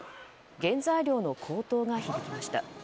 原材料の高騰が響きました。